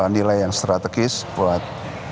nilai yang strategis buat